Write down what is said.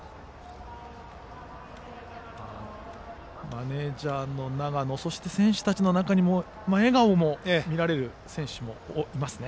マネージャーの永野そして選手たちの中にも笑顔も見られる選手もいますね。